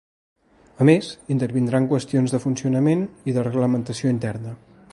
A més, intervindrà en qüestions de funcionament i de reglamentació interna.